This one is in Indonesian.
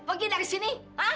pergi dari sini